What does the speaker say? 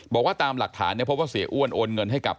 บอกว่าตามหลักฐานเนี่ยพบว่าเสียอ้วนโอนเงินให้กับ